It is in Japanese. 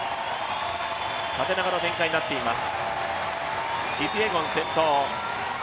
縦長の展開になっています。